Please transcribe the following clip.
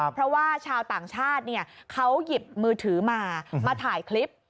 เพราะว่าชาวต่างชาติเขาหยิบมือถือมามาถ่ายคลิป